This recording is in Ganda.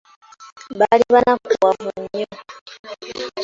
Baali bannakuwavu nnyo.